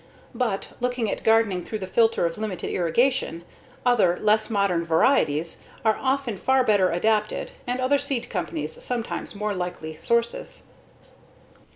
But, looking at gardening through the filter of limited irrigation, other, less modern varieties are often far better adapted and other seed companies sometimes more likely sources.